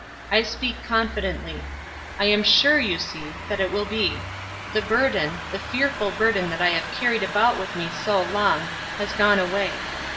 I speak confidently. I am sure, you see, that it will be; the burden, the fearful burden that I have carried about with me so long, has gone away.